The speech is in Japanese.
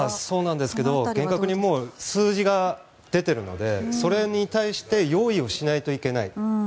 そうなんですが厳格に数字が出ているのでそれに対して用意をしないといけない。